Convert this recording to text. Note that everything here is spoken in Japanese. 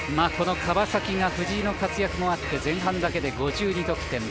川崎が藤井の活躍もあって前半だけで５２得点。